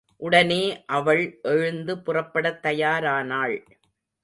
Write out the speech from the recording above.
உடனே அவள் எழுந்து புறப்படத் தயாரானாள்.